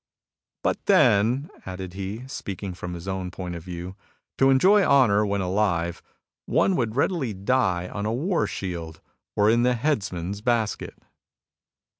..."" But then," added he, speaking from his own point of view, " to enjoy honour when alive one would readily die on a war shield or in the heads man's basket."